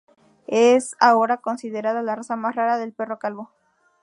Es ahora considerada la raza más rara del perro calvo.